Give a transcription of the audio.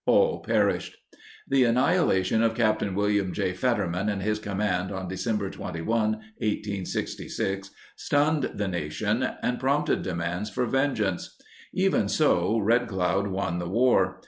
All perished. The annihilation of Capt. William J. Fetterman and his command on December 21, 1866, stunned the nation and prompted demands for vengeance. Even so, Red Cloud won the war.